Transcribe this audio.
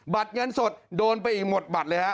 เงินสดโดนไปอีกหมดบัตรเลยฮะ